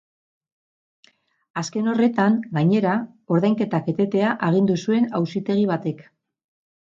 Azken horretan, gainera, ordainketak etetea agindu zuen auzitegi batek.